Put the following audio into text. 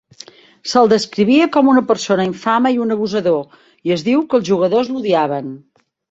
Se'l descrivia com una persona "infame" i un "abusador", i es diu que els jugadors l'odiaven.